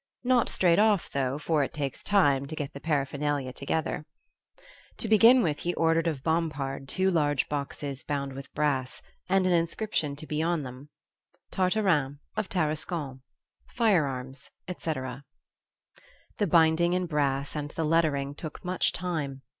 Not straight off though, for it takes time to get the paraphernalia together. To begin with, he ordered of Bompard two large boxes bound with brass, and an inscription to be on them: I TARTARIN, OF TARASCON I I Firearms, &c. I The binding in brass and the lettering took much time.